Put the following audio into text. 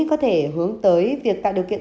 có thể hướng tới việc tạo điều kiện